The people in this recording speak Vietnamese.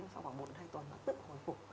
sau khoảng một hay hai tuần nó tự hồi phục